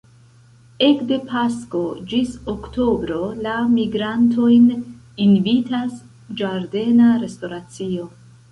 Ekde pasko ĝis oktobro la migrantojn invitas ĝardena restoracio.